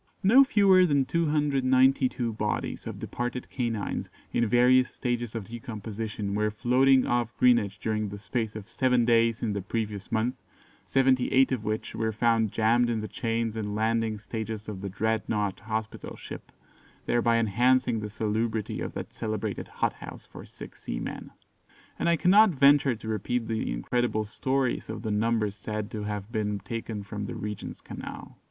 "No fewer than 292 bodies of departed canines, in various stages of decomposition, were floating off Greenwich during the space of seven days in the previous month, seventy eight of which were found jammed in the chains and landing stages of the "Dreadnought" hospital ship, thereby enhancing the salubrity of that celebrated hothouse for sick seamen." And I cannot venture to repeat the incredible stories of the numbers said to have been taken from the Regent's Canal.